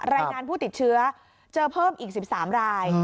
รายงานผู้ติดเชื้อเจอเพิ่มอีก๑๓ราย